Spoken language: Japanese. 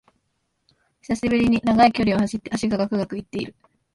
久しぶりに長い距離を走って脚がガクガクいってる